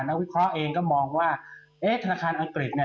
วิเคราะห์เองก็มองว่าเอ๊ะธนาคารอังกฤษเนี่ย